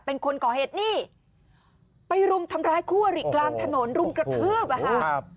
เป็นคนก่อเหตุนี่ไปรุมทำร้ายคู่อริกลางถนนรุมกระทืบอ่ะค่ะครับ